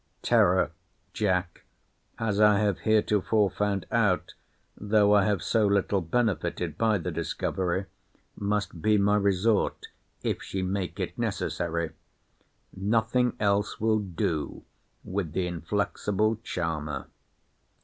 Terror, Jack, as I have heretofore found out, though I have so little benefited by the discovery, must be my resort, if she make it necessary—nothing else will do with the inflexible charmer.